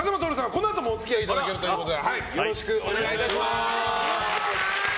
このあともお付き合いいただけるということでよろしくお願いいたします。